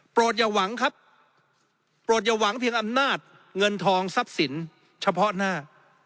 อย่าหวังครับโปรดอย่าหวังเพียงอำนาจเงินทองทรัพย์สินเฉพาะหน้า